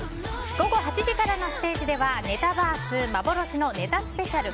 午後８時からのステージではネタバース幻のネタスペシャル